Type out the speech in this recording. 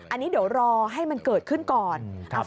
อันนี้เดี๋ยวรอให้มันเกิดขึ้นก่อน